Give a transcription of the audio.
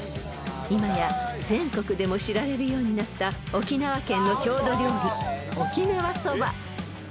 ［今や全国でも知られるようになった沖縄県の郷土料理沖縄そば］